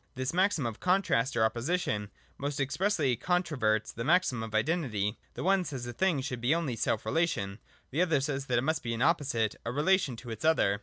This maxim of Contrast or Opposition most expressly controverts the maxim of Identity: the one says a thing should be only self relation, the other says that it must be an opposite, a relation to its other.